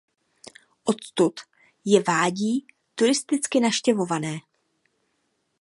Odtud je vádí turisticky navštěvované.